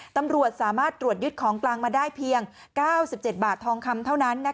ตำรวจสามารถตรวจยึดของกลางมาได้เพียง๙๗บาททองคำเท่านั้น